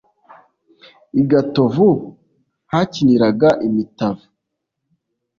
I Gatovu hakiniraga imitavu